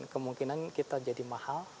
kemungkinan kita jadi mahal